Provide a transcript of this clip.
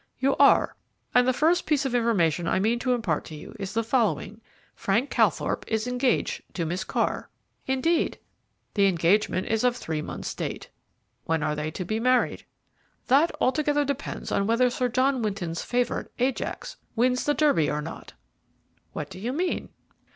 "You are, and the first piece of information I mean to impart to you is the following. Frank Calthorpe is engaged to Miss Carr." "Indeed!" "The engagement is of three months' date." "When are they to be married?" "That altogether depends on whether Sir John Winton's favourite, Ajax, wins the Derby or not." "What do you mean?"